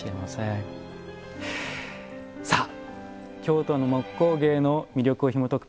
京都の木工芸の魅力をひもとく